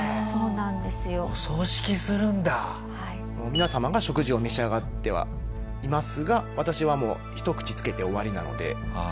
皆様が食事を召し上がってはいますが私はもうひと口つけて終わりなので。